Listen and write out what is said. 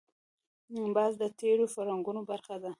باز د تېرو فرهنګونو برخه ده